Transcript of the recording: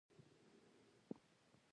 🍉 هندوانه